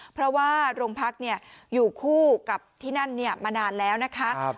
เพราะว่าโรงพักเนี่ยอยู่คู่กับที่นั่นเนี่ยมานานแล้วนะคะครับ